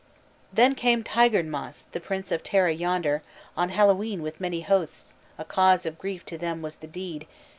"Then came Tigernmas, the prince of Tara yonder On Hallowe'en with many hosts. A cause of grief to them was the deed.